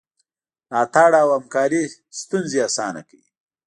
ملاتړ او همکاري ستونزې اسانه کوي.